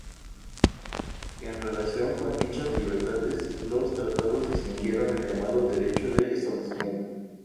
En relación con dichas libertades, los Tratados distinguieron el llamado derecho de establecimiento.